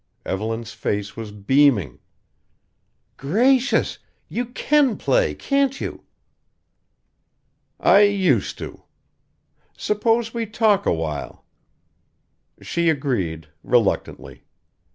Evelyn's face was beaming "Gracious! You can play, can't you?" "I used to Suppose we talk awhile." She agreed reluctantly.